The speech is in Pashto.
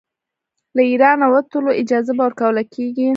له اېرانه وتلو اجازه به ورکوله کیږي.